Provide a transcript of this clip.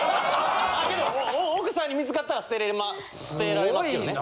けど奥さんに見つかったら捨てられますよね。